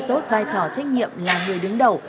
tốt vai trò trách nhiệm là người đứng đầu